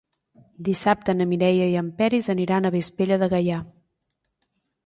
Dissabte na Mireia i en Peris aniran a Vespella de Gaià.